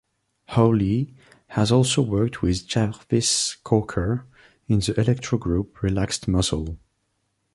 Hawley has also worked with Jarvis Cocker in the electro group Relaxed Muscle.